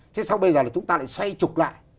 thế sau bây giờ là chúng ta lại xoay trục lại